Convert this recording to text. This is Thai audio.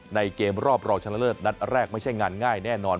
เกมรอบรองชนะเลิศนัดแรกไม่ใช่งานง่ายแน่นอน